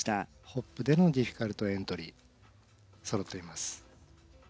ホップでのディフィカルトエントリーそろっています。